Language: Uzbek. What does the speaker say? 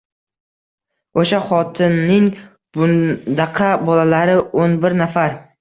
O`sha xotinning bundaqa bolalari o`n bir nafar